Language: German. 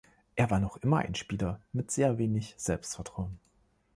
Er war immer noch ein Spieler mit sehr wenig Selbstvertrauen.